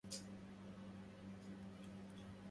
جميع الهواتف كانت ترنّ.